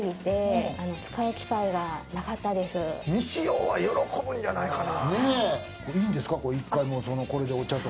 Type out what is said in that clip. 未使用は喜ぶんじゃないかな？